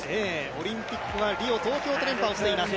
オリンピックはリオ、東京と連覇をしています。